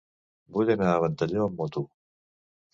Vull anar a Ventalló amb moto.